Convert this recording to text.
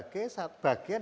dan halit punarrang